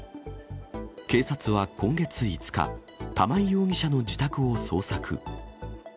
警察は今月５日、玉井容疑者の自宅を捜索。